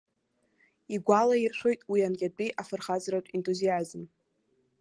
Игәалаиршәоит уи анкьатәи афырхаҵаратә ентузиазм.